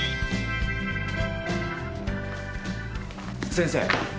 先生。